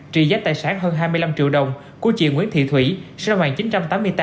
trị giá tài sản hơn hai mươi năm triệu đồng của chị nguyễn thị thủy sinh năm một nghìn chín trăm tám mươi tám